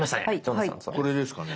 これですかね？